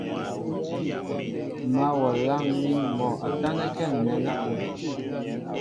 M̀ mǎl wɔ a lâŋ mín mɔ a tánɛ́kɛ́ ǹnɛn ápə́.